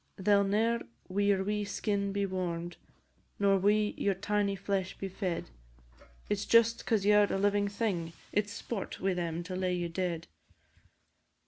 They 'll ne'er wi' your wee skin be warm'd, Nor wi' your tiny flesh be fed, But just 'cause you 're a living thing, It 's sport wi' them to lay you dead.